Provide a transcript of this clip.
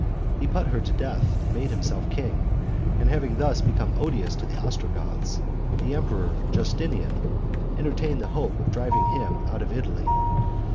He put her to death and made himself king; and having thus become odious to the Ostrogoths, the emperor Justinian entertained the hope of driving him out of Italy.